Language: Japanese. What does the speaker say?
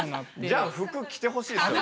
じゃあ服着てほしいですよね。